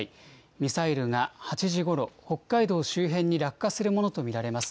ミサイルが８時ごろ、北海道周辺に落下するものと見られます。